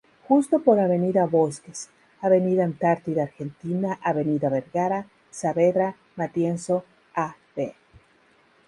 Justo por Avenida Bosques, Avenida Antártida Argentina, Avenida Vergara, Saavedra, Matienzo, Av.